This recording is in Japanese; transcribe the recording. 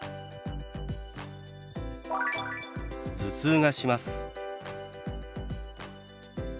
「頭痛がします」。